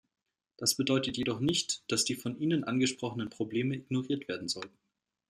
Das bedeutet jedoch nicht, dass die von Ihnen angesprochenen Probleme ignoriert werden sollten.